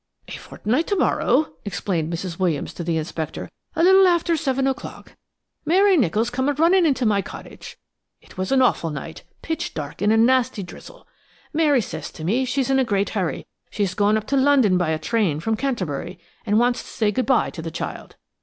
"A fortnight to morrow," explained Mrs. Williams to the inspector, "a little after seven o'clock, Mary Nicholls come runnin' into my cottage. It was an awful night, pitch dark and a nasty drizzle. Mary says to me she's in a great hurry; she is goin' up to London by a train from Canterbury and wants to say good bye to the child.